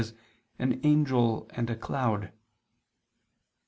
e. an angel and a cloud.